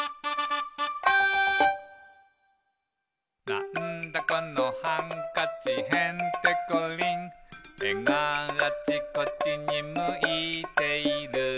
「なんだこのハンカチへんてこりん」「えがあちこちにむいている」